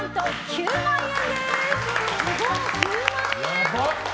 ９万円。